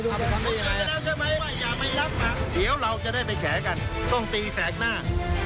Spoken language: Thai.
ดูกันทำได้ยังไงเดี๋ยวเราจะได้ไปแฉกันต้องตีแสงหน้า